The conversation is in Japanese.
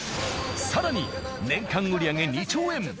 更に、年間売り上げ２兆円